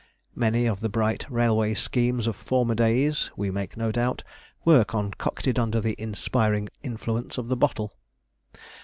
Many of the bright railway schemes of former days, we make no doubt, were concocted under the inspiring influence of the bottle.